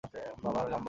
বাবার গাম্বো পট।